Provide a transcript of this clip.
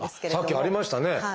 さっきありましたね。